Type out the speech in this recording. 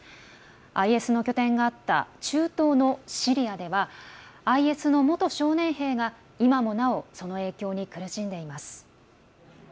ＩＳの拠点があった中東のシリアではＩＳの元少年兵が今もなおその影響に苦しんでいます。